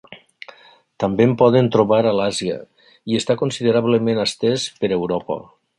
També en podem trobar a l'Àsia i està considerablement estès per Europa.